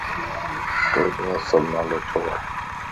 تو جو اصل نالو ڇو و؟